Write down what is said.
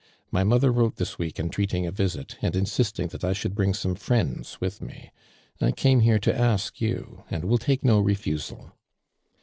l^y mother wrote this week, entreating a visit, and insisting that I should bring some friends with me. I came here to ask you and will take no refusal